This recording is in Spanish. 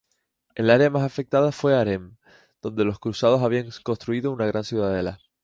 El área más afectada fue Harem, donde los cruzados habían construido una gran ciudadela.